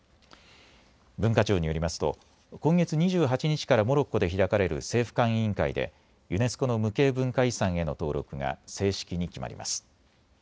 文化庁によりますと今月２８日からモロッコで開かれる政府間委員会でユネスコの無形文化遺産への登録が正式に決まります。